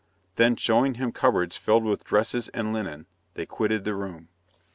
Then, showing him cupboards filled with dresses and linen, they quitted the room.